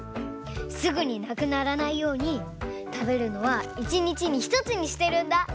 すぐになくならないようにたべるのは１にちに１つにしてるんだ！